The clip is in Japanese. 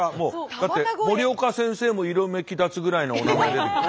だって森岡先生も色めき立つぐらいのおなまえ出てきます。